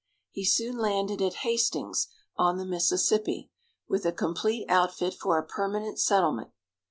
He soon landed at Hastings, on the Mississippi, with a complete outfit for a permanent settlement.